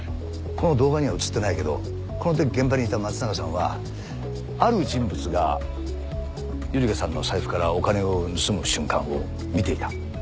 この動画には映ってないけどこの時現場にいた松永さんはある人物が百合香さんの財布からお金を盗む瞬間を見ていた。